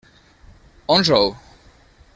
On sou?